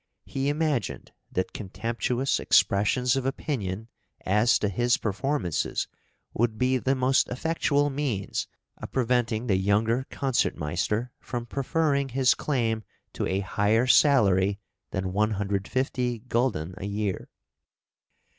He imagined that contemptuous expressions of opinion as to his performances would be the most effectual means of preventing the younger Concertmeister from preferring his claim to a higher salary than 150 gulden a year.